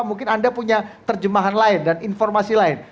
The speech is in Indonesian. mungkin anda punya terjemahan lain dan informasi lain